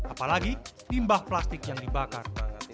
apalagi timbah plastik yang dibakar